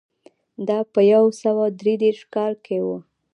دا په یو سوه درې دېرش کال کې و